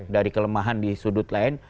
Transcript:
dari kelemahan di sudut lain